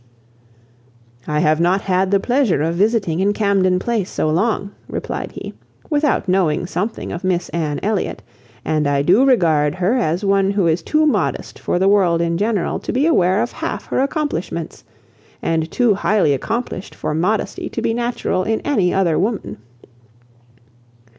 "I have not had the pleasure of visiting in Camden Place so long," replied he, "without knowing something of Miss Anne Elliot; and I do regard her as one who is too modest for the world in general to be aware of half her accomplishments, and too highly accomplished for modesty to be natural in any other woman."